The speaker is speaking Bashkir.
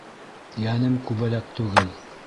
Йәнем күбәләк түгел